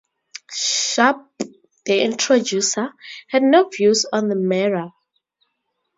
Sharpe, the introducer, had no views on the matter.